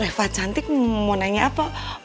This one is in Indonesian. reva santik mau nanya apa